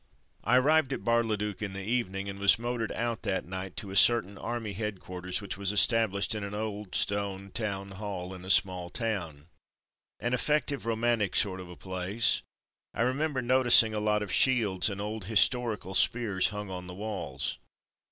I arrived at Bar le duc in the evening, and was motored out that night to a certain army headquarters which was established in an old stone town hall in a small town. An effective romantic sort of a place — I remember noticing a lot of shields and old historical spears hung on the walls.